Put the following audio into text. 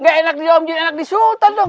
gak enak dia om jin enak di sultan dong